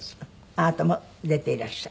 あなたも出ていらっしゃる？